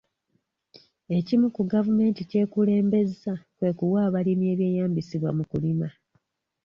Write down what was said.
Ekimu ku gavumenti by'ekulembezza kwe kuwa abalimi ebyeyambisibwa mu kulima.